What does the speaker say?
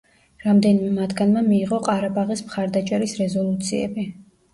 რამდენიმე მათგანმა მიიღო ყარაბაღის მხარდაჭერის რეზოლუციები.